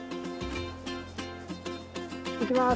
いきます。